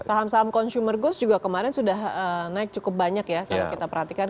saham saham consumer good juga kemarin sudah naik cukup banyak ya kalau kita perhatikan